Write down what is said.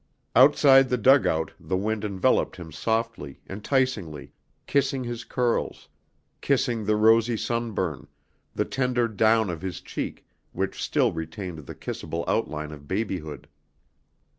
Outside the dugout the wind enveloped him softly, enticingly, kissing his curls, kissing the rosy sunburn, the tender down of his cheek which still retained the kissable outline of babyhood.